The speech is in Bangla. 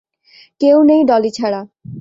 কেউ নেই ডলি ছাড়া।